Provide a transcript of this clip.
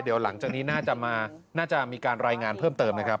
เดี๋ยวหลังจากนี้น่าจะมีการรายงานเพิ่มเติมนะครับ